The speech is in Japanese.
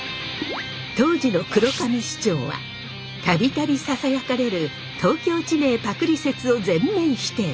当時の黒神市長は度々ささやかれる東京地名パクリ説を全面否定。